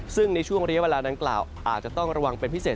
ซึ่งในช่วงเรียกเวลาดังกล่าวอาจจะต้องระวังเป็นพิเศษ